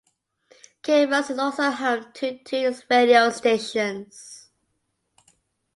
Camrose is also home to two radio stations.